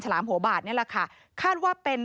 ลามหัวบาทนี่แหละค่ะคาดว่าเป็น